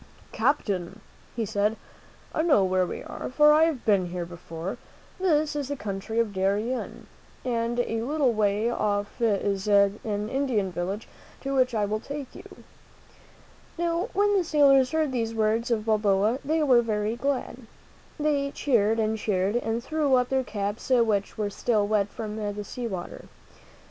Captain," he said, "I know where we are, for I have been here before. This is the country of Darien, and a little way off is an Indian village to which I will take you." Now, when the sailors heard these words of Balboa, they were very glad. They cheered and cheered and threw up their caps, which were still wet from the sea water.